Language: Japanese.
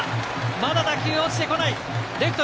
まだ打球は落ちてこない、レフト